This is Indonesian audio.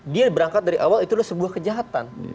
dia berangkat dari awal itu adalah sebuah kejahatan